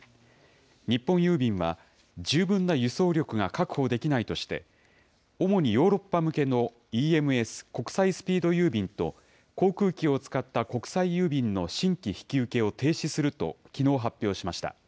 日本郵便は、十分な輸送力が確保できないとして、主にヨーロッパ向けのＥＭＳ・国際スピード郵便と航空機を使った国際郵便の新規引き受けを停止するときのう発表しました。